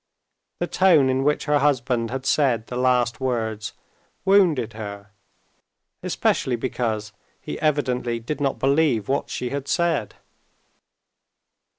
The tone in which her husband had said the last words wounded her, especially because he evidently did not believe what she had said.